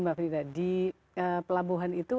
mbak frida di pelabuhan itu